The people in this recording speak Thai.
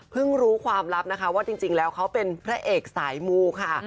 รู้ความลับนะคะว่าจริงแล้วเขาเป็นพระเอกสายมูค่ะ